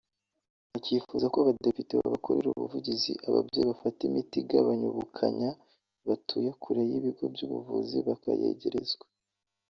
Akifuza ko abadepite babakorera ubuvuzigi ababyeyi bafata imiti igabanya ubukanya batuye kure y’ibigo by’ubuvuzi bakayegerezwa